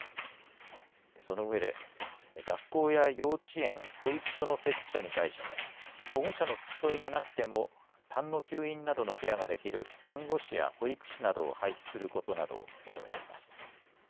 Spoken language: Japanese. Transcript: そのうえで学校や幼稚園、保育所の設置者に対し保護者の付き添いがなくてもたんの吸引などのケアができる看護師や保育士などを配置することなどを求めています。